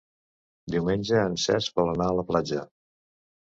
Diumenge en Cesc vol anar a la platja.